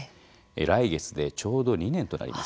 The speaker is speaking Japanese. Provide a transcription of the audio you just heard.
来月でちょうど２年となります。